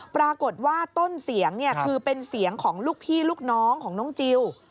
ปรากฏว่าต้นเสียงเนี่ยคือเป็นเสียงของลูกพี่ลูกน้องของน้องจิล